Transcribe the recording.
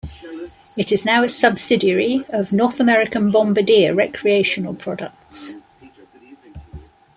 It is now a subsidiary of North American Bombardier Recreational Products.